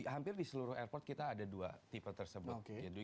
hampir di seluruh airport kita ada dua tipe tersebut